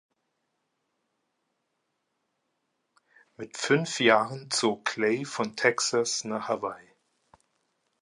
Mit fünf Jahren zog Clay von Texas nach Hawaii.